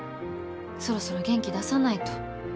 そろそろ元気出さないと。